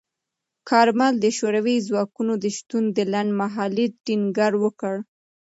کارمل د شوروي ځواکونو د شتون د لنډمهالۍ ټینګار وکړ.